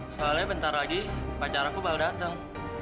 soalnya bentar lagi pacar aku bakal dateng